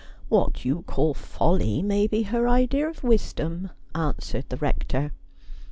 ' What you call folly may be her idea of wisdom,' answered the Rector.